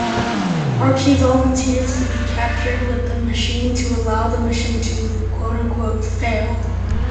Archie volunteers to be captured with the machine to allow the mission to "fail".